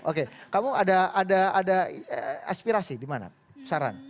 oke kamu ada aspirasi dimana saran